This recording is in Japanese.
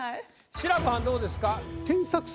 志らくはんどうですか？